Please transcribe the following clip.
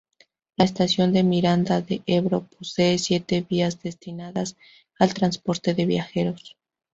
La estación de Miranda de Ebro posee siete vías destinadas al transporte de viajeros.